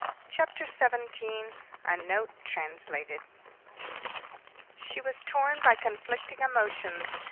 CHAPTER XVII A NOTE TRANSLATED She was torn by conflicting emotions.